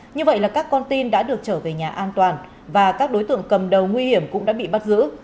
như vậy là các con tin đã được trở về nhà an toàn và các đối tượng cầm đầu nguy hiểm cũng đã bị bắt giữ